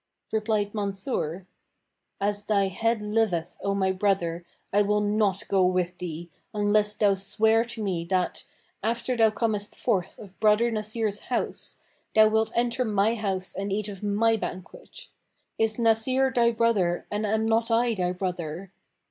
Replied Mansur, "As thy head liveth, O my brother, I will not go with thee, unless thou swear to me that, after thou comest forth of brother Nasir's house, thou wilt enter my house and eat of my banquet! Is Nasir thy brother and am not I thy brother?